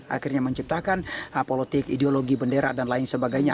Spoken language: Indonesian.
akhirnya menciptakan politik ideologi bendera dan lain sebagainya